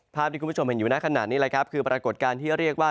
มันอยู่ในขณะนี้คือปรากฏการณ์ที่เรียกว่า